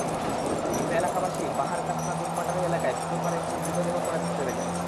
রাতে এলাকাবাসী বাহার কাছনা জুম্মাটারী এলাকার পুকুরপাড়ে একটি মৃতদেহ পড়ে থাকতে দেখেন।